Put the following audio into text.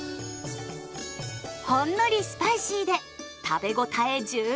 ほんのりスパイシーで食べ応え十分！